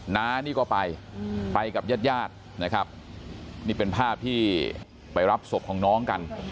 น้านี่ก็ไปไปกับญาติญาตินะครับนี่เป็นภาพที่ไปรับศพของน้องกัน